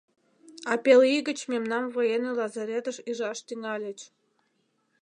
А пел ий гыч мемнам военный лазаретыш ӱжаш тӱҥальыч.